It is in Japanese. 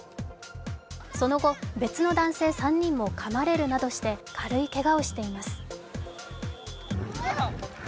その後、別の男性３人もかまれるなどして軽いけがをしています。